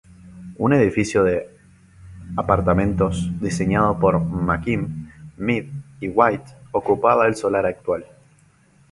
Un edificio de apartamentos diseñado por McKim, Mead y White ocupaba el solar actual.